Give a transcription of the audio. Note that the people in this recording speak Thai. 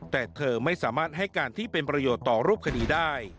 แต่เธอไม่สามารถให้การที่เป็นประโยชน์ต่อรูปคดีได้